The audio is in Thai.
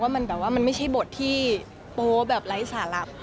ว่ามันแบบว่าไม่ใช่บทที่โปรดมักอะไรสะลับ